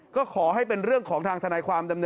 ก็ขอให้เป็นเรื่องของทางธนาความ